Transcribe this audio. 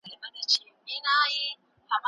ذهني فشار د ورځې پلان خرابوي.